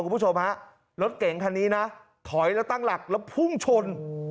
คุณผู้ชมฮะรถเก่งคันนี้นะถอยแล้วตั้งหลักแล้วพุ่งชน